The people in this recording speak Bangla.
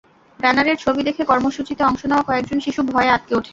ব্যানারের ছবি দেখে কর্মসূচিতে অংশ নেওয়া কয়েকজন শিশু ভয়ে আঁতকে ওঠে।